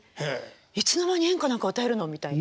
「いつの間に演歌なんか歌えるの」みたいな。